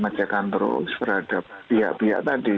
mengecekan terus terhadap pihak pihak tadi